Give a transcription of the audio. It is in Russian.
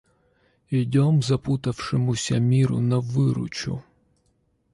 Идем запутавшемуся миру на выручу!